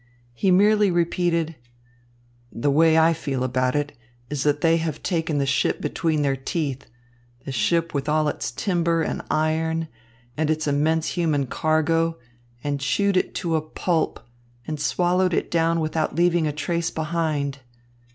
He merely repeated: "The way I feel about it is that they have taken the ship between their teeth, the ship with all its timber and iron and its immense human cargo, and chewed it to a pulp, and swallowed it down without leaving a trace behind."